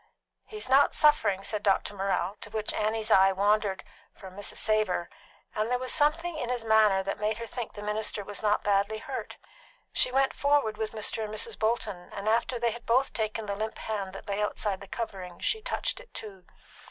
"He's not suffering," said Dr. Morrell, to whom Annie's eye wandered from Mrs. Savor, and there was something in his manner that made her think the minister was not badly hurt. She went forward with Mr. and Mrs. Bolton, and after they had both taken the limp hand that lay outside the covering, she touched it too.